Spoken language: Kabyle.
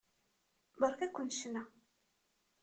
Beṛka-ken ccna.